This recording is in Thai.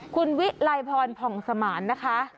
คุณวิไลพรผ่องสมานนะคะ